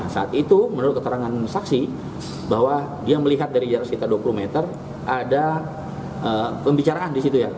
saat itu menurut keterangan saksi bahwa dia melihat dari jarak sekitar dua puluh meter ada pembicaraan di situ ya